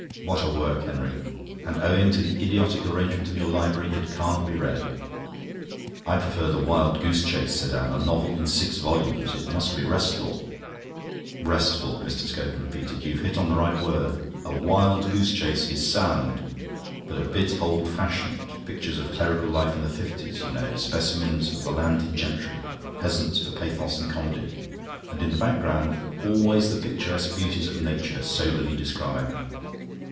What a work, Henry! And, owing to the idiotic arrangement of your library, it can't be read." "I prefer the 'Wild Goose Chase'," said Anne. "A novel in six volumes it must be restful." "Restful," Mr. Scogan repeated. "You've hit on the right word. A 'Wild Goose Chase' is sound, but a bit old fashioned pictures of clerical life in the fifties, you know; specimens of the landed gentry; peasants for pathos and comedy; and in the background, always the picturesque beauties of nature soberly described.